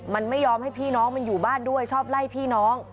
มันไม่ยอมให้พี่น้องมันอยู่บ้านด้วยชอบไล่พี่น้อง